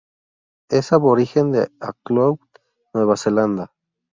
Es aborigen de Auckland, Nueva Zelanda.